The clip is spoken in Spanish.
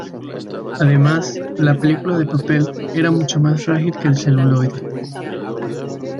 Además, la película de papel era mucho más frágil que el celuloide.